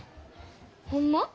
ホンマ？